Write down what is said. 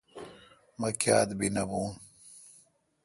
ما کاَتہ نہ بی بون